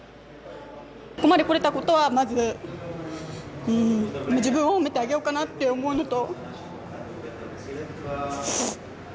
ここまで来れたことは、まず自分を褒めてあげようかなって思うのと。